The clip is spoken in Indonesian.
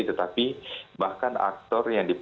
tetapi bahkan aktor yang